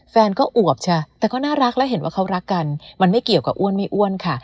แฟนก็อวบใช่แต่ก็น่ารักแล้วเห็นว่าเขารักกันมันไม่เกี่ยวกับอ้วนไม่อ้วนค่ะ